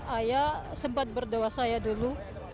ayah sempat berdoa saya dulu